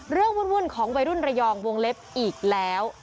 เรื่องวุ่นของวัยรุ่นเรยองวงเล็บอีกแล้ว